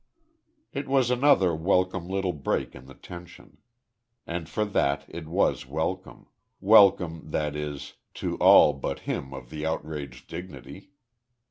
It was another welcome little break in the tension. And for that it was welcome; welcome, that is, to all but him of the outraged dignity.